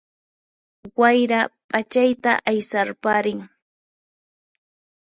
Wayra ph'achayta aysarparin